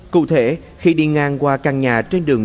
cụ thể khi đi ngang qua căn nhà trên đường